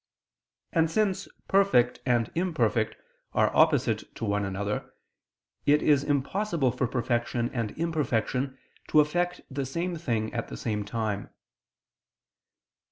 And since perfect and imperfect are opposite to one another, it is impossible for perfection and imperfection to affect the same thing at the same time.